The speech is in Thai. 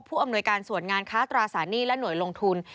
อำนวยการส่วนงานค้าตราสารหนี้และหน่วยลงทุน